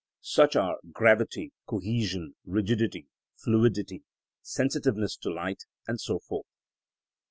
Such are gravity, cohesion, rigidity, fluidity, sensitiveness to light, and so forth.